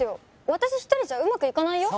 私一人じゃうまくいかないよ